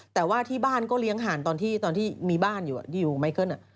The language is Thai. แต่ว่าที่บ้านก็เลี้ยงห่านตอนที่มีบ้านอยู่ที่อยู่ไมเคิล